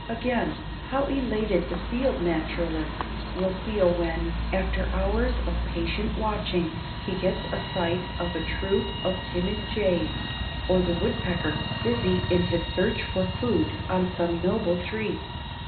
Again, how elated the field naturalist will feel when, after hours of patient watching, he gets a sight of a troop of timid jays, or the woodpecker, busy in his search for food on some noble tree!